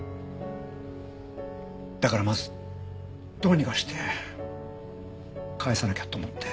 だからまずどうにかして返さなきゃって思って。